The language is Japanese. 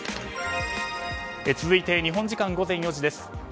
続いて日本時間午前４時です。